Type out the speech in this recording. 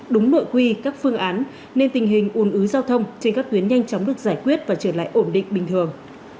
đúng nội quy các phương án nên tình hình ồn ứ giao thông trên các tuyến nhanh chóng được giải quyết và trở lại ổn định bình thường